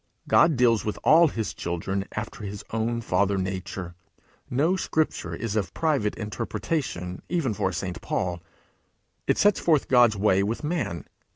'God deals with all his children after his own father nature. No scripture is of private interpretation even for a St. Paul. It sets forth God's way with man.